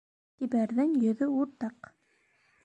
Сибәрҙең йөҙө уртаҡ